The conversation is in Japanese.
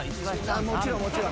もちろんもちろん。